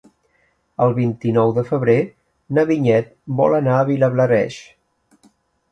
El vint-i-nou de febrer na Vinyet vol anar a Vilablareix.